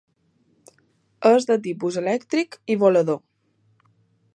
És de tipus elèctric i volador.